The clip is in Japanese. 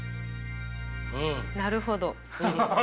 なるほど。